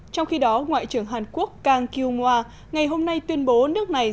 trong khi đó ngoại trưởng hàn quốc kang kyung ngoa ngày hôm nay tuyên bố nước này